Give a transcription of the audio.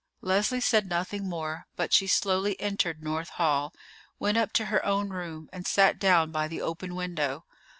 Leslie said nothing more; but she slowly entered North Hall, went up to her own room, and sat down by the open window.